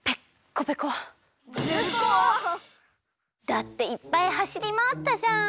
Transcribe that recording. だっていっぱいはしりまわったじゃん。